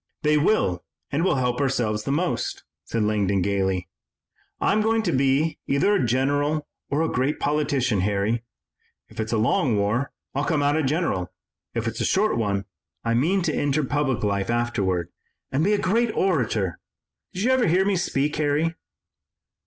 "They will and we'll help ourselves most," said Langdon gaily. "I'm going to be either a general or a great politician, Harry. If it's a long war, I'll come out a general; if it's a short one, I mean to enter public life afterward and be a great orator. Did you ever hear me speak, Harry?"